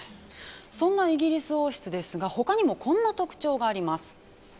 そんなイギリス王室ですが他にもこんな特徴があります。